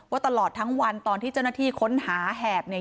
ตลอดทั้งวันตอนที่เจ้าหน้าที่ค้นหาแหบเนี่ย